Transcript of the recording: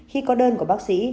khi có đơn của bác sĩ